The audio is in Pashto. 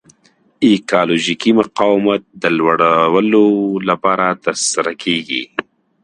ایکالوژیکي مقاومت د لوړلولو لپاره ترسره کیږي.